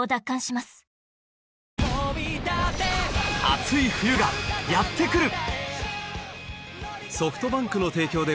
熱い冬がやってくる！